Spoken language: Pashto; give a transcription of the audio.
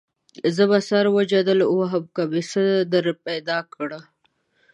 زه به سر وجدل ووهم که مې څه درپیدا کړه.